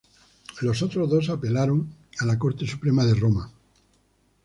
Los otros dos apelaron a la Corte Suprema de Roma.